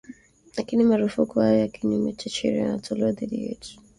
lakini marufuku haya ya kinyume cha sheria yanatolewa dhidi yetu